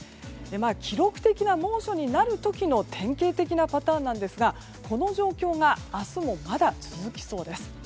記録的な猛暑になる時の典型的にパターンですがこの状況が明日もまだ続きそうです。